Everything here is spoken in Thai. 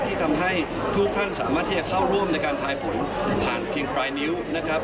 ที่ทำให้ทุกท่านสามารถที่จะเข้าร่วมในการทายผลผ่านเพียงปลายนิ้วนะครับ